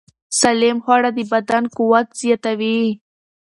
سالم خواړه د بدن قوت زیاتوي.